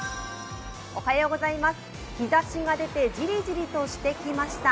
日ざしが出てジリジリとしてきました